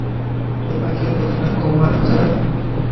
চোপান থেকে প্রথমে গোমাহ যাবেন।